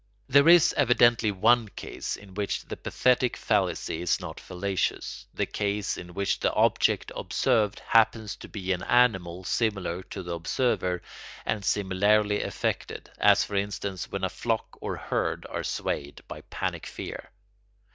There is evidently one case in which the pathetic fallacy is not fallacious, the case in which the object observed happens to be an animal similar to the observer and similarly affected, as for instance when a flock or herd are swayed by panic fear.